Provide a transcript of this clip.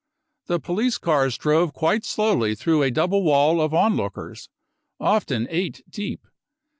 The police cars drove quite slowly through a double wall of onlookers, often eight deep.